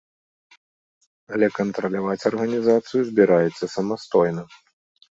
Але кантраляваць арганізацыю збіраецца самастойна.